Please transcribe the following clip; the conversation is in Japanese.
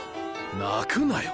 泣くなよ。